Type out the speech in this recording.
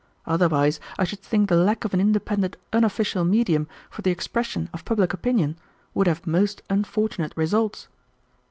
Otherwise I should think the lack of an independent unofficial medium for the expression of public opinion would have most unfortunate results.